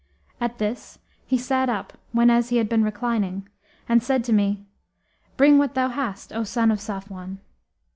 At this, he sat up whenas he had been reclining and said to me, 'Bring what thou hast, O son of Safwan!'